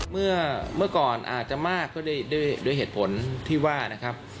เมื่อก่อนอาจจะมากเพราะให้เหตุผลที่ได้ว่านะครับ